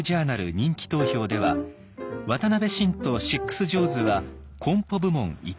人気投票では渡辺晋とシックス・ジョーズはコンポ部門１位に。